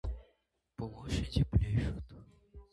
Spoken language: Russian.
Площади плещут.